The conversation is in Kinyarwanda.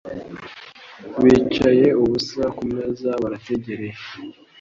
bicaye ubusa ku meza barategereje